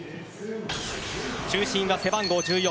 中心は背番号１４